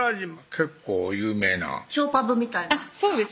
結構有名なショーパブみたいなそうです